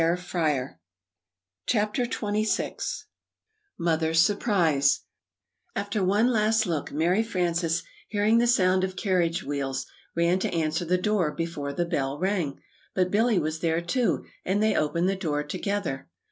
] CHAPTER XXVI MOTHER'S SURPRISE AFTER one last look, Mary Frances, hearing the sound of carriage wheels, ran to answer the door before the bell rang; but Billy was there, too, and they opened the door together.